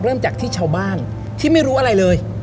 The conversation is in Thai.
เริ่มจากที่ชาวบ้านที่ไม่รู้อะไรเลย